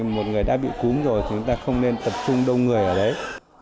một người đã bị cúm rồi thì chúng ta không nên tập trung đông người ở đấy